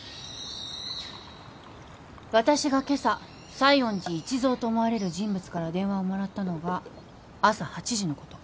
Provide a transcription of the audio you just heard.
私が今朝西園寺一蔵と思われる人物から電話をもらったのが朝８時のこと。